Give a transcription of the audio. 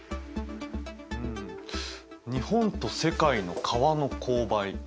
日本と世界の川の勾配。